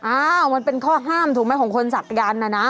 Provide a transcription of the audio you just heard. อ้าวมันเป็นข้อห้ามถูกไหมของคนศักยันต์นะนะ